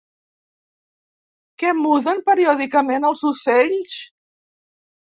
Què muden periòdicament els ocells?